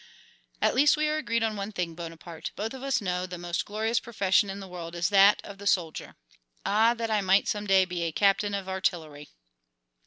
"At least we are agreed on one thing, Bonaparte; we both of us know the most glorious profession in the world is that of the soldier. Ah, that I might some day be a captain of artillery!"